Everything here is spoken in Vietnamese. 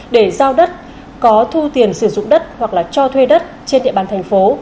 để giao đất có thu tiền sử dụng đất hoặc là cho thuê đất trên địa bàn thành phố